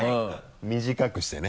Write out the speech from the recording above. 短くしてね。